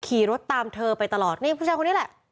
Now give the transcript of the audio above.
ขี่รถตามเธอไปตลอดนี่ผู้ชายคนนี้แหละ